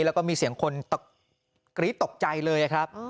แล้วก็มีเสียงคนกรี๊ดตกใจเลยครับ